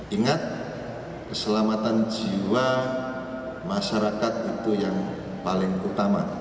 ingat keselamatan jiwa masyarakat itu yang paling utama